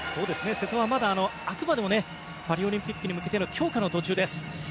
瀬戸はまだあくまでもパリオリンピックに向けての強化の途中です。